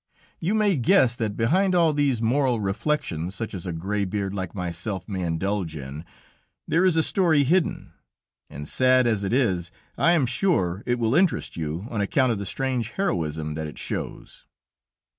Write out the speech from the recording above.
"You may guess that behind all these moral reflections, such as a gray beard like myself may indulge in, there is a story hidden, and sad as it is, I am sure it will interest you on account of the strange heroism that it shows."